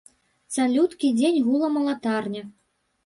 Цалюткі дзень гула малатарня.